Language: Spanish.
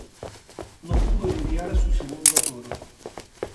No pudo lidiar su segundo toro.